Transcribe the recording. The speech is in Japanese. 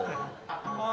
ああ。